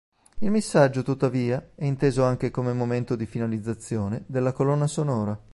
Il missaggio tuttavia è inteso anche come momento di finalizzazione della colonna sonora.